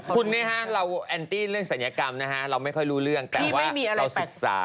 คุณเนี่ยฮะเราแอนตี้เรื่องศัลยกรรมนะฮะเราไม่ค่อยรู้เรื่องแต่ว่าเราศึกษา